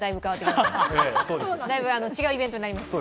だいぶ違うイベントになります。